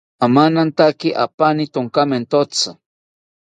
Amanantaki apani tonkamentzi